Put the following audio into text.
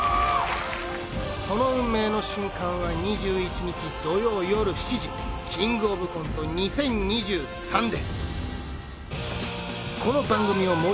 その運命の瞬間は２１日土曜よる７時キングオブコント２０２３で！